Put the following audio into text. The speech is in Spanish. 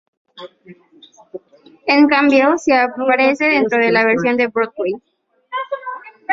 En cambio, sí aparece dentro de la versión de Broadway.